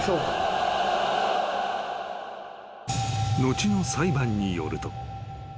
［後の裁判によると］